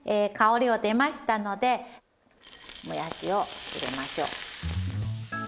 香りが出ましたのでもやしを入れましょう。